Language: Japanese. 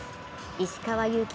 石川祐希